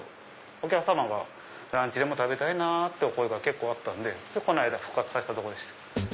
お客さまがランチでも食べたいってお声があったんでこの間復活させたとこでして。